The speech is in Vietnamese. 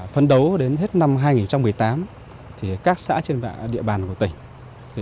phấn đấu đến hết năm hai nghìn một mươi tám các xã trên địa bàn của tỉnh